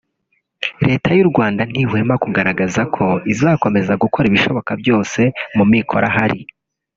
Leta y’u Rwanda ntihwema kugaragaza ko izakomeza gukora ibishoboka byose mu mikoro ahari